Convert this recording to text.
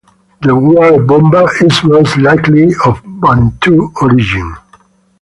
The word "bomba" is most likely of Bantu origin.